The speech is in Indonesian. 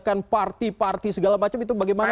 kita mengadakan parti parti segala macem itu bagaimana